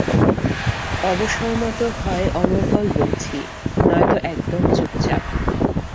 অবসরমত হয় অনর্গল বকছি, নয়তো একদম চুপচাপ।